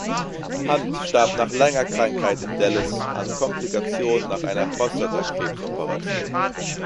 Hunt starb nach langer Krankheit in Dallas an Komplikationen nach einer Prostatakrebs-Operation.